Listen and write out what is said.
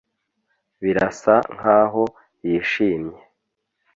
Birasa nkaho yishimye